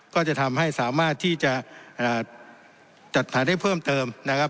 ก็จะทำให้สามารถที่จะจัดฐานได้เพิ่มเติมนะครับ